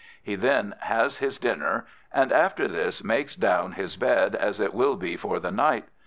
He then has his dinner, and after this makes down his bed as it will be for the night.